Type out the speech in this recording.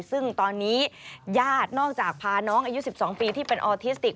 ซึ่งตอนนี้ญาตินอกจากพาน้องอายุ๑๒ปีที่เป็นออทิสติก